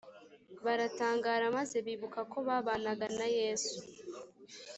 baratangara maze bibuka ko babanaga na yesu